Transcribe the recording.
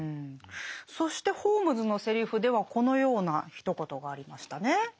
そしてホームズのセリフではこのようなひと言がありましたね。